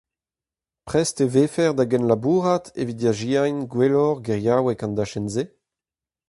Prest e vefec'h da genlabourat evit diazezañ gwelloc'h geriaoueg an dachenn-se ?